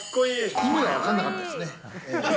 意味は分からなかったですね。